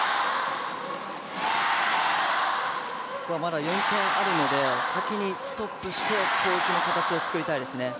まだ４点あるので先にストップして、攻撃の形を作りたいですね。